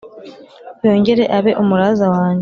yongere abe umuraza wanjye